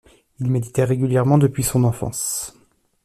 Il méditait régulièrement depuis son enfance.